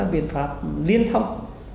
biện pháp liên thông